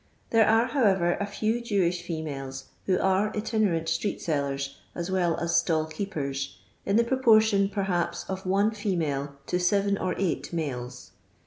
There are, howeTer, a few Jewish females who are itinerant street selleis as well as still keepers, in the proportion, perban of one female to seven or eight males.